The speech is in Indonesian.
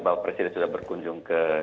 bahwa presiden sudah berkunjung ke